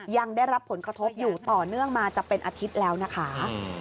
ยังได้รับผลกระทบอยู่ต่อเนื่องมาจะเป็นอาทิตย์แล้วนะคะ